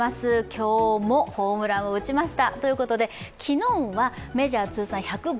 今日もホームランを打ちました。